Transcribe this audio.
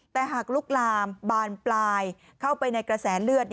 แต่หากลุกลามบานปลายเข้าไปในกระแสเลือด